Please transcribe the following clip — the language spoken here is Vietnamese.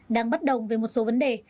đang bắt đồng về một số vấn đề